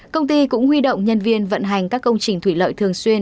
công ty cũng huy động nhân viên vận hành các công trình thủy lợi thường xuyên